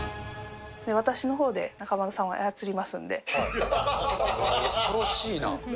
私のほうで中丸さんを操りま恐ろしいな。